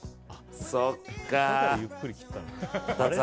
そっか。